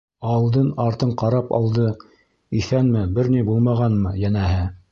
Алдын, артын ҡарап алды, иҫәнме, бер ни булмағанмы, йәнәһе.